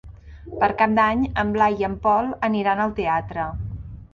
Per Cap d'Any en Blai i en Pol aniran al teatre.